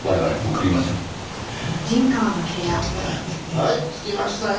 はい着きましたよ。